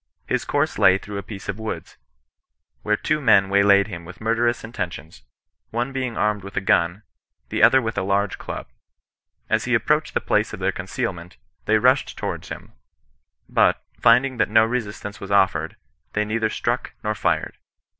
His course lay through a piece of woods, where two men waylaid him with murderous intentions, one being armed with a gun, the other with a large club. As he approached the place of their concealment, they rushed towards him ; but, finding that no resistance was offered, they neither struck nor fired.